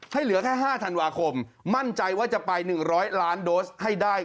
เหลือแค่๕ธันวาคมมั่นใจว่าจะไป๑๐๐ล้านโดสให้ได้